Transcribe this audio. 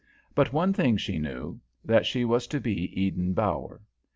But one thing she knew: that she was to be Eden Bower.